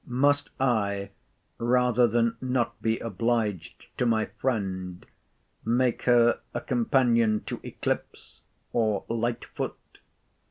Must I, rather than not be obliged to my friend, make her a companion to Eclipse or Lightfoot?